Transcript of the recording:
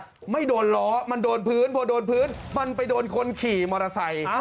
มันไม่โดนล้อมันโดนพื้นพอโดนพื้นมันไปโดนคนขี่มอเตอร์ไซค์